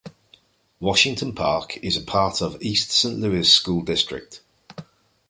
Washington Park is a part of the East Saint Louis School District.